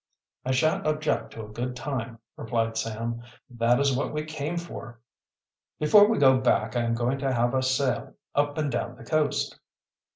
"I shan't object to a good time," replied Sam. "That is what we came for." "Before we go back I am going to have a sail up and down the coast."